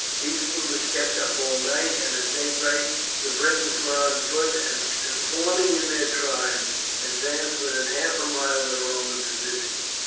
Feasting was kept up all night, and at daybreak the Britons were on foot, and forming in their tribes advanced within half a mile of the Roman position.